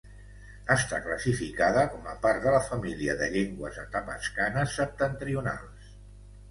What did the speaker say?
Està classificada com a part de la família de llengües atapascanes septentrionals.